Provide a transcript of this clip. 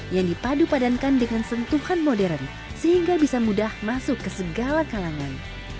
yang dipadu padankan dengan sentuhan modern sehingga bisa mudah masuk ke segala kalangan